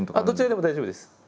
どちらでも大丈夫です。